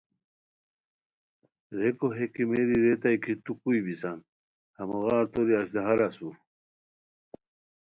ریکو ہے کیمیری ریتائے کی تو کوئے بیسان ہموغار توری اژدھار اسور